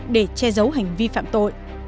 để che giấu hành vi phạm tội